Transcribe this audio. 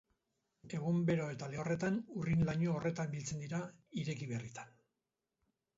Egun bero eta lehorretan urrin-laino horretan biltzen dira, ireki berritan.